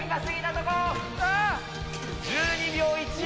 １２秒１４。